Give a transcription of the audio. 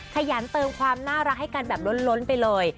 ขยันเติมความน่ารักให้กันแบบล้นไปเลย